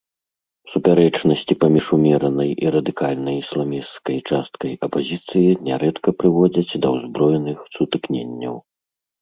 Супярэчнасці паміж умеранай і радыкальнай ісламісцкай часткай апазіцыі нярэдка прыводзяць да ўзброеных сутыкненняў.